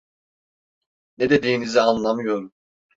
Ne dediğinizi anlamıyorum.